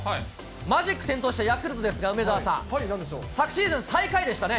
マジック点灯したヤクルトですが、梅澤さん、昨シーズン最下位でしたね。